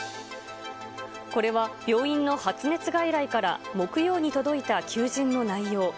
これは病院の発熱外来から木曜に届いた求人の内容。